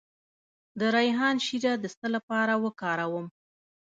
د ریحان شیره د څه لپاره وکاروم؟